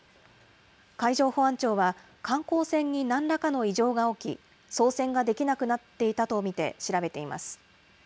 海上保安庁は、観光船になんらかの異常が起き、操船ができなくなっていたと見て、調べています。